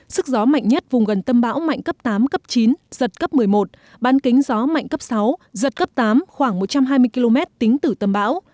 sức gió mạnh nhất vùng gần tâm bão mạnh cấp tám cấp chín giật cấp một mươi một ban kính gió mạnh cấp sáu giật cấp tám khoảng một trăm hai mươi km tính từ tâm bão